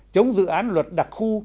chống dự án luật đặc khu